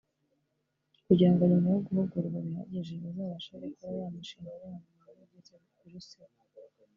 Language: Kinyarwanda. kugira ngo nyuma yo guhugurwa bihagije bazabashe gukora ya mishinga yabo mu buryo bwiza biruseho